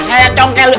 saya congkel dulu